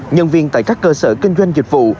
nhân viên tại các cơ sở kinh doanh dịch vụ